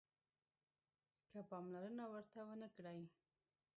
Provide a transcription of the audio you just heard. که پاملرنه ورته ونه کړئ